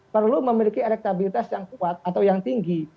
perlu memiliki elektabilitas yang kuat atau yang tinggi